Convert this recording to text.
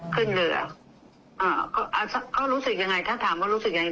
ขึ้นเรืออ่าก็รู้สึกยังไงถ้าถามว่ารู้สึกยังไง